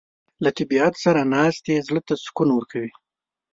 له طبیعت سره ناستې زړه ته سکون ورکوي.